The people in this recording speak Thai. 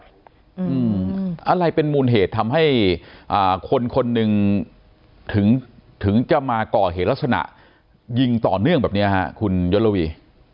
อะไรเป็นมูลเหตุทำให้คนคนหนึ่งถึงจะมาก่อเหตุลักษณะยิงต่อเนื่องแบบนี้ฮะคุณยศลวี